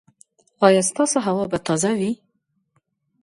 ایا ستاسو هوا به تازه وي؟